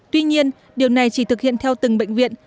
tuy nhiên điều này chỉ thực hiện theo từng bệnh viện